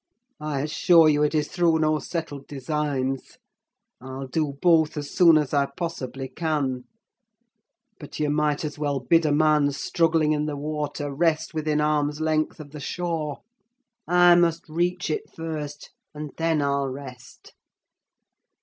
"I assure you it is through no settled designs. I'll do both, as soon as I possibly can. But you might as well bid a man struggling in the water rest within arms' length of the shore! I must reach it first, and then I'll rest.